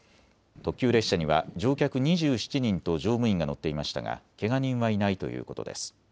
特急列車には乗客２７人と乗務員が乗っていましたがけが人はいないということです。